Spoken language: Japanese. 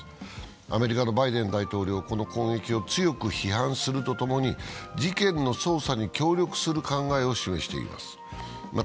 アメリカのバイデン大統領はこの事件を強く批判するとともに事件の捜査に協力する考えを示しました。